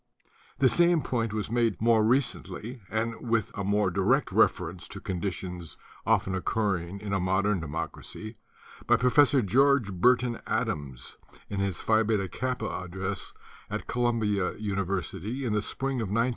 The same point was more recently made, and with a more direct reference to conditions often occurring in a modern democracy, by Professor George Burton Adams in his Phi Beta Kappa address at Columbia University in the spring of 1917.